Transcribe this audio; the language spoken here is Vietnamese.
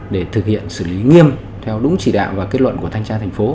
để thực hiện xử lý nghiêm theo đúng chỉ đạo và kết luận của thanh tra thành phố